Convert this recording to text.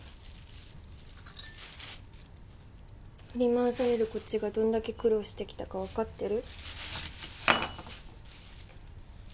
振り回されるこっちがどんだけ苦労してきたかわかってる？